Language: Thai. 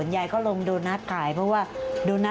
สวัสดีค่ะสวัสดีค่ะ